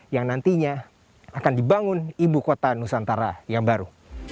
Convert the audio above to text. yang nantinya akan dibangun ibu kota nusantara yang baru